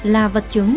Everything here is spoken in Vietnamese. là vật chứng